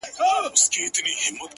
• ټولو وویل دا تشي افسانې دي ,